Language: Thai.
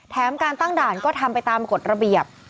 การตั้งด่านก็ทำไปตามกฎระเบียบ